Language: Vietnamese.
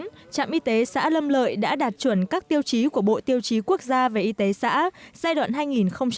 từ năm hai nghìn một mươi bốn trạm y tế xã lâm lợi đã đạt chuẩn các tiêu chí của bộ tiêu chí quốc gia về y tế xã giai đoạn hai nghìn một mươi hai nghìn hai mươi